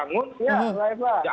kang ujang ya lebar